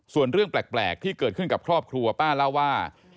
ส่วนเรื่องแปลกที่เกิดขึ้นกับครอบครัวป้าเล่าว่า